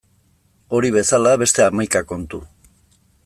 Hori bezala beste hamaika kontu.